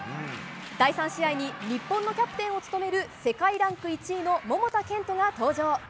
第３試合に日本のキャプテンを務める世界ランク１位の桃田賢斗が登場。